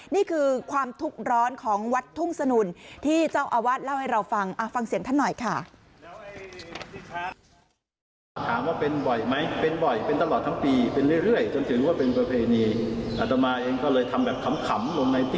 นี่คือความทุกข์ร้อนของวัดทุ่งสนุนที่เจ้าอาวาสเล่าให้เราฟังฟังเสียงท่านหน่อยค่ะ